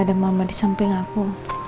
ada mama di samping aku